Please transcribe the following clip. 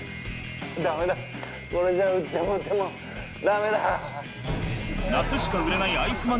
ダメだこれじゃ売っても売ってもダメだ！